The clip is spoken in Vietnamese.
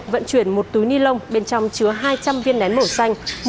vận chuyển một túi ni lông bên trong chứa hai trăm linh viên nén màu xanh